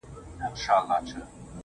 يمه دي غلام سترگي راواړوه.